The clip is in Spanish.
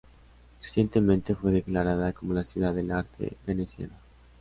Recientemente fue declarada como la ciudad del arte veneciana.